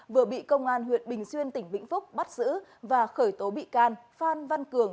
vừa bị công an huyện bình xuyên tỉnh vĩnh phúc bắt giữ và khởi tố bị can phan văn cường